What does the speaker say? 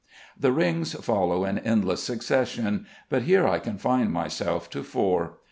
The rings follow in endless succession, but here I confine myself to four.